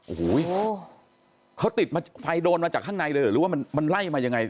โอ้โหเขาติดมาไฟโดนมาจากข้างในเลยหรือว่ามันไล่มายังไง